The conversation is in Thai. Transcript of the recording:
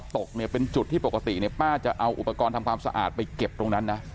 ตกเนี่ยเป็นจุดที่ปกติเนี่ยป้าจะเอาอุปกรณ์ทำความสะอาดไปเก็บตรงนั้นนะ